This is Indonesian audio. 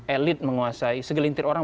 elit menguasai segelintir orang